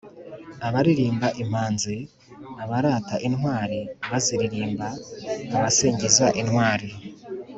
abaririmba impanzi: abarata intwari baziririmba; abasingiza intwari